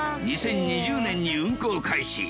２０２０年に運行開始